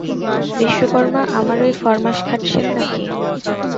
বিশ্বকর্মা আমারই ফর্মাস খাটছেন না কি?